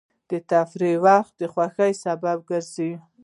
د تفریح وخت د خوښۍ سبب ګرځي.